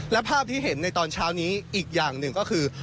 และภาพที่เห็นในตอนเช้านี้อีกอย่างหนึ่งก็คือ